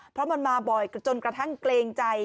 เพราะมันมาบ่อยจนกระทั่งเกรงใจ